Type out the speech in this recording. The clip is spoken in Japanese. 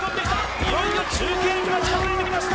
いよいよ中継所が近づいてきました